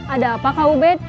ada apa kak ubed